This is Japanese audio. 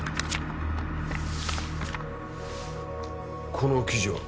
この記事は？